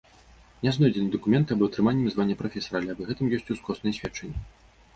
Не знойдзены дакументы аб атрыманні ім звання прафесара, але аб гэтым ёсць ускосныя сведчанні.